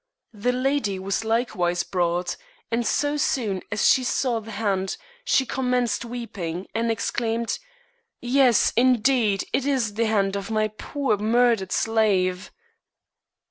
The lady was likewise brought, and so soon as she saw the hand she commenced weeping, and exclaimed, " Yes, indeed, it is the hand of my poor murdered slave."